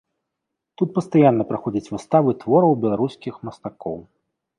Тут пастаянна праходзяць выставы твораў беларускіх мастакоў.